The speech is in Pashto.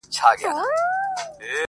نو هېڅ «علم» «فضول» نهدی